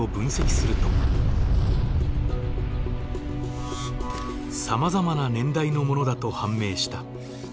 さまざまな年代のものだと判明した。